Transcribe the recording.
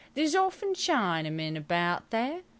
There's often Chinamen about there.